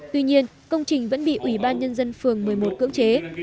tuy nhiên công trình vẫn bị ủy ban nhân dân phường một mươi một cưỡng chế